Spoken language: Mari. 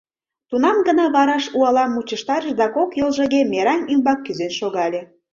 Тунам гына вараш уалам мучыштарыш да кок йолжыге мераҥ ӱмбак кӱзен шогале.